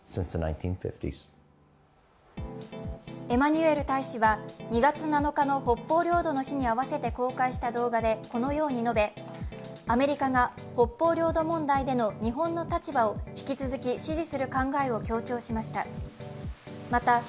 エマニュエル大使は２月７日の北方領土の日に合わせて公開した動画でこのように述べ、アメリカが北方領土問題での日本の立場を引き続き支持する考えを強調しました。